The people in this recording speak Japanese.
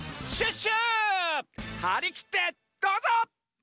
はりきってどうぞ！